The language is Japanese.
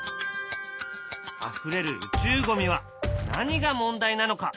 あふれる宇宙ゴミは何が問題なのか？